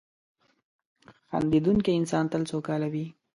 • خندېدونکی انسان تل سوکاله وي.